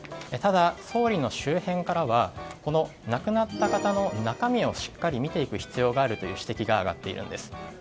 ただ、総理の周辺からは亡くなった方の中身をしっかり見ていく必要があるとの指摘が上がっているんです。